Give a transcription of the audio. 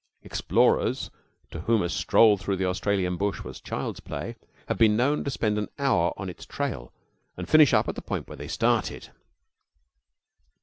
Explorers to whom a stroll through the Australian bush was child's play, had been known to spend an hour on its trail and finish up at the point where they had started.